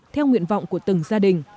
theo nguyện vọng của từng gia đình